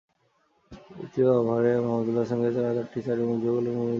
দ্বিতীয় ওভারে মাহমুদুল হাসানকে টানা চারটি চারে মুগ্ধ করলেন মুমিনুল হক।